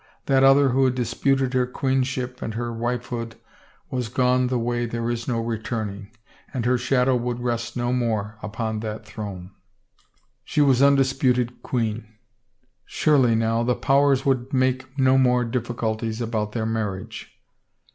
That other who had disputed her queenship and her wifehood was gone the way there is no returning and her shadow would rest no more upon that throne. She 29s THE FAVOR OF KINGS was undisputed queen. Surely, now, the powers would make no more difficulties about their marriage.